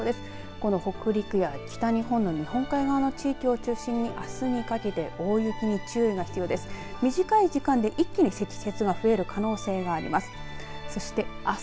この北陸や北日本の日本海側の地域を中心にあすにかけて大雪に注意が必要です。